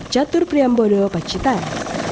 jatuh priambodo pacitan